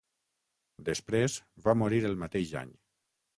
Després va morir el mateix any.